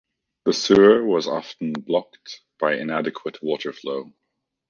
The sewer was often blocked by inadequate water flow.